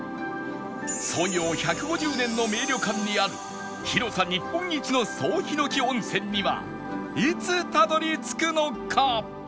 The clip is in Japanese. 創業１５０年の名旅館にある広さ日本一の総ヒノキ温泉にはいつたどり着くのか？